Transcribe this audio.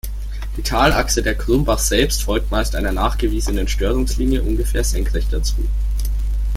Die Talachse der Krummbach selbst folgt meist einer nachgewiesenen Störungslinie ungefähr senkrecht dazu.